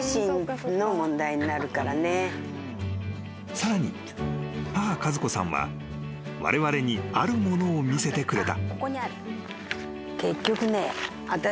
［さらに母和子さんはわれわれにあるものを見せてくれた］